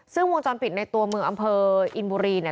ซึ่งวงจรปิดในตัวเมืองอำเภออินบุรีเนี่ย